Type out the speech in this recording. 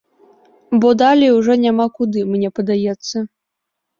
Бо далей ужо няма куды, мне падаецца.